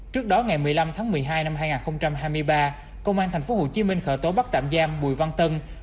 trước đó ngày một mươi năm tháng một mươi hai năm hai nghìn hai mươi ba công an tp hcm khởi tố bắt tạm giam bùi văn tân